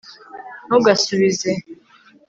ntugasubize